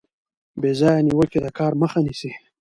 بې ځایه نیوکې د کار مخه نیسي.